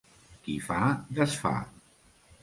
Qui fa, desfà.